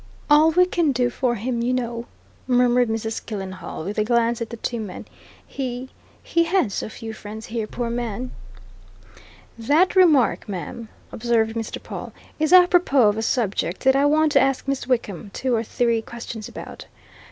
"All we can do for him, you know!" murmured Mrs. Killenhall, with a glance at the two men. "He he had so few friends here, poor man!" "That remark, ma'am," observed Mr. Pawle, "is apropos of a subject that I want to ask Miss Wickham two or three questions about.